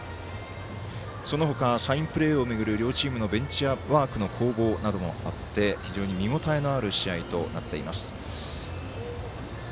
そのほかサインプレーを巡る両チームのベンチワークの攻防などもあって非常に見応えのある試合となっています。